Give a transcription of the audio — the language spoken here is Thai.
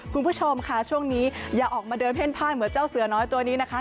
คุณผู้ชมค่ะช่วงนี้อย่าออกมาเดินเพ่นผ้านเหมือนเจ้าเสือน้อยตัวนี้นะคะ